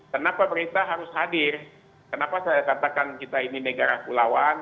kenapa pemerintah harus hadir kenapa saya katakan kita ini negara pulauan